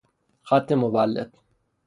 خط مولد